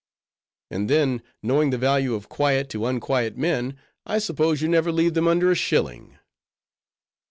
"And then, knowing the value of quiet to unquiet men, I suppose you never leave them under a shilling?"